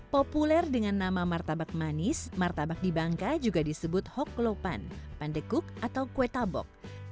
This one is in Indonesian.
populer dengan nama martabak manis martabak di bangka juga disebut hoklopan pandekuk atau kue tabok